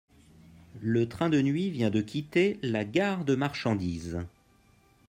Le train de nuit vient de quitter la gare de marchandise